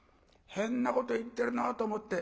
変なこと言ってるなと思って。